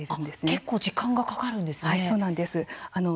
結構時間がかかるんですね。